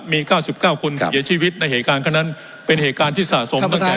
มี๙๙คนเสียชีวิตในเหตุการณ์คนนั้นเป็นเหตุการณ์ที่สะสมตั้งแต่